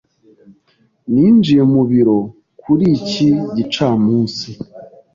Ninjiye mu biro kuri iki gicamunsi.